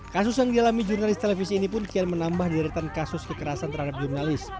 kasus yang dialami jurnalis televisi ini pun kian menambah deretan kasus kekerasan terhadap jurnalis